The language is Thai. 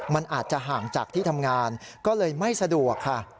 มันอาจจะห่างจากที่ทำงานก็เลยไม่สะดวกค่ะ